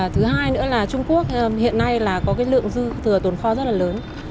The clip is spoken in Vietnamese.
thứ hai nữa là trung quốc hiện nay có lượng dư thừa tồn kho rất là lớn